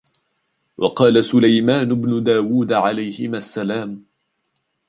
وَقَالَ سُلَيْمَانُ بْنُ دَاوُد عَلَيْهِمَا السَّلَامُ